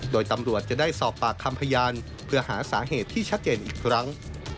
โดยตำรวจจะได้สอบปากคำพยานเพื่อหาสาเหตุที่ชัดเจนอีกครั้ง